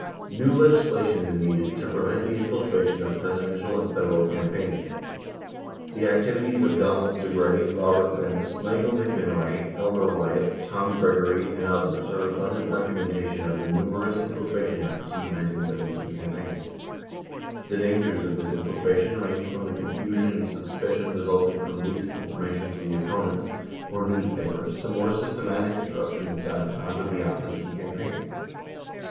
New legislation is needed to prevent the infiltration of Presidential and Federal campaigns. The activities of Donald Segretti, Robert Benz, Michael McMinoway, Elmer Wyatt, Tom Gregory, and others are abundant documentation of the numerous infiltration efforts in the 1972 campaign. The dangers of this infiltration range from the confusion and sus picion resulting from leaked information to the opponents or news papers to more systematic disruption and sabotage of the opposition campaign.